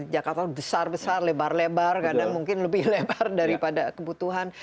jakarta besar besar lebar lebar kadang mungkin lebih lebar daripada kebutuhan